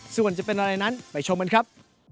ส่วนจะเป็นอะไรนั้นไปชมกันครับ